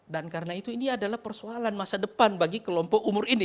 dan karena itu ini adalah persoalan masa depan bagi kelompok umur ini